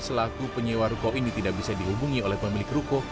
selaku penyewa ruko ini tidak bisa dihubungi oleh pemilik ruko